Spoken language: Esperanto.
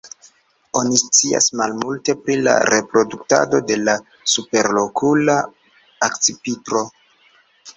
Oni scias malmulte pri la reproduktado de la Superokula akcipitro.